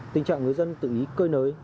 tình trạng người dân tự ý cơi nới